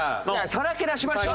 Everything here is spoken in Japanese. さらけ出しましょうよ！